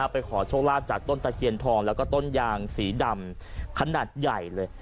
ไปขอโชคลาภจากต้นตะเคียนทองแล้วก็ต้นยางสีดำขนาดใหญ่เลย